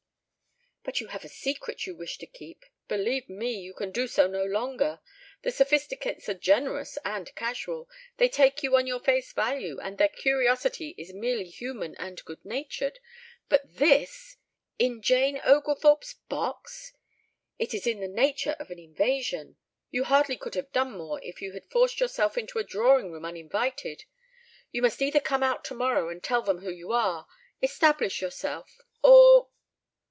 "But you have a secret you wish to keep. Believe me, you can do so no longer. The Sophisticates are generous and casual. They take you on your face value and their curiosity is merely human and good natured. But this! In Jane Oglethorpe's box! It is in the nature of an invasion. You hardly could have done more if you had forced yourself into a drawing room uninvited. You must either come out tomorrow and tell them who you are, establish yourself ... or